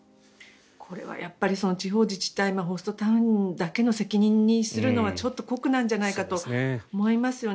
これは地方自治体ホストタウンだけの責任にするのはちょっと酷なんじゃないかと思いますよね。